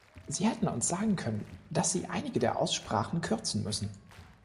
Sie hätten uns sagen können, dass Sie einige der Aussprachen kürzen müssen.